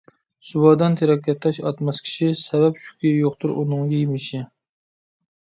سۇۋادان تېرەككە تاش ئاتماس كىشى، سەۋەب شۇكى يوقتۇر ئۇنىڭ يېمىشى.